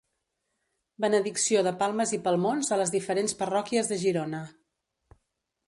Benedicció de palmes i palmons a les diferents parròquies de Girona.